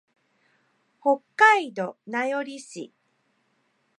北海道名寄市